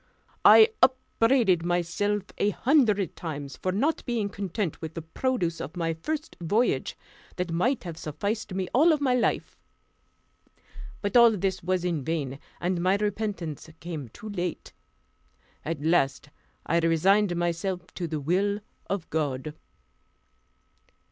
I upbraided myself a hundred times for not being content with the produce of my first voyage, that might have sufficed me all my life. But all this was in vain, and my repentance came too late. At last I resigned myself to the will of God.